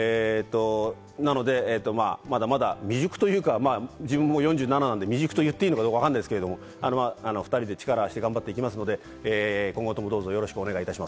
なので、まだまだ未熟というか、自分、４７歳なので未熟と言っていいかわからないですが、２人で力を合わせて頑張っていきますので今後ともどうぞよろしくお願い